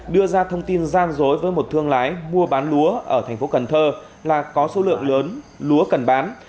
đưa ra thông tin gian dối với một thương lái mua bán lúa ở thành phố cần thơ là có số lượng lớn lúa cần bán